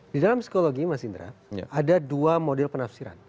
di dalam psikologi mas indra ada dua model penafsiran